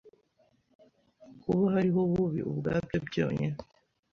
kuba hariho ububi ubwabyo byonyine